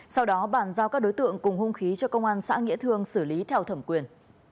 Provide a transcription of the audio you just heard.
sau đó bàn giao các đối tượng cùng hung khí cho công an xã nghĩa thương xử lý theo thẩm quyền